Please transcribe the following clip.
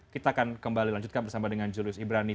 kita akan kembali lanjutkan bersama dengan julius ibrani